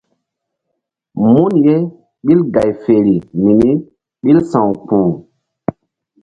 Mun ye ɓil gay feri mini ɓil sa̧w kpuh.